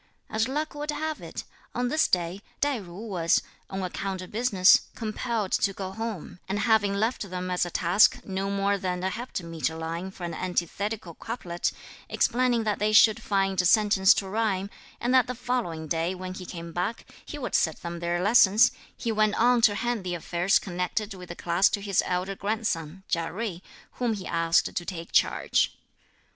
As luck would have it, on this day Tai jui was, on account of business, compelled to go home; and having left them as a task no more than a heptameter line for an antithetical couplet, explaining that they should find a sentence to rhyme, and that the following day when he came back, he would set them their lessons, he went on to hand the affairs connected with the class to his elder grandson, Chia Jui, whom he asked to take charge.